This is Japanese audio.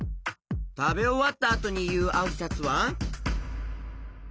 たべおわったあとにいうあいさつは？